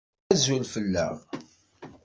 Azul fell-aɣ.